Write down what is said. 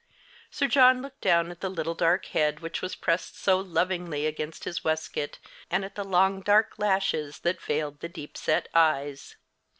Sir John looked down at the little dark head which was pressed so lovingly against his waistcoat, and at the long dark lashes that veiled the deep set eyes.